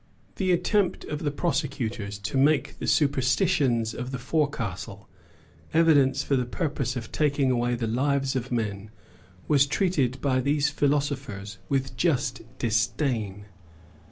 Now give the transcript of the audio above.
The attempt of the prosecutors to make the superstitions of the forecastle evidence for the purpose of taking away the lives of men was treated by these philosophers with just disdain.